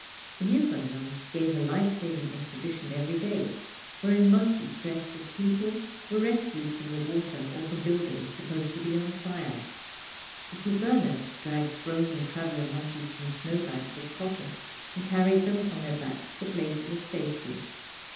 The Newfoundlands gave a life saving exhibition every day, wherein monkeys dressed as people were rescued from the water or from buildings supposed to be on fire. The St. Bernards dragged frozen traveler monkeys from snowbanks of cotton and carried them on their backs to places of safety.